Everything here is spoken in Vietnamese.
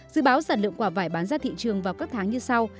dự báo sản lượng quả vải bán ra thị trường vào các tháng như sau